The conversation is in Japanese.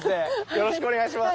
よろしくお願いします。